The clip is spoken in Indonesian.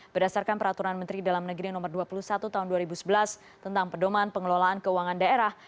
berdasarkan peraturan menteri dalam negeri no dua puluh satu tahun dua ribu sebelas tentang pedoman pengelolaan keuangan daerah